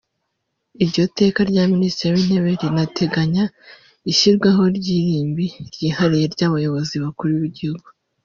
Iryo teka rya Minisitiri w’Intebe rinateganya ishyirwaho ry’irimbi ryihariye ry’Abayobozi bakuru b’igihugu